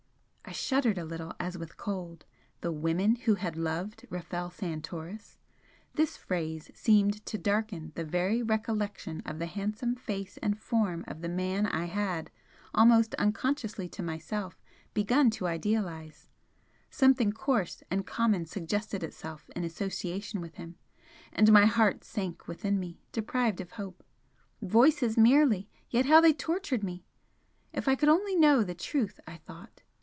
I shuddered a little, as with cold. 'The women who have loved Rafel Santoris!' This phrase seemed to darken the very recollection of the handsome face and form of the man I had, almost unconsciously to myself, begun to idealise something coarse and common suggested itself in association with him, and my heart sank within me, deprived of hope. Voices, merely! yet how they tortured me! If I could only know the truth, I thought!